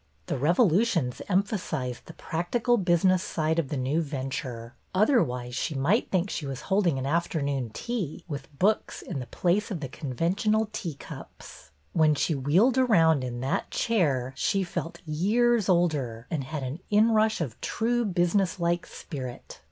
The revolutions emphasized the practical business side of the new venture; otherwise she might think she was holding an afternoon tea, with books in the place of the conventional teacups. When she wheeled around in that chair she felt years older, and had an inrush of true business like spirit.